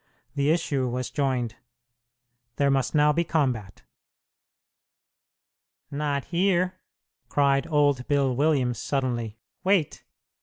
The issue was joined. There must now be combat! "Not here!" cried old Bill Williams, suddenly. "Wait!